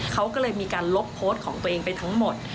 เขาก็เลยมีการลบโพสต์ของตัวเองไปทั้งหมด